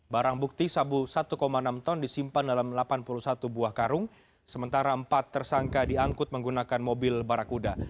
barang bukti sabu satu enam ton disimpan dalam delapan puluh satu buah karung sementara empat tersangka diangkut menggunakan mobil barakuda